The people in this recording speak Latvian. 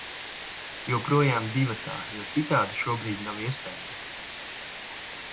Joprojām divatā, jo citādi šobrīd nav iespējams.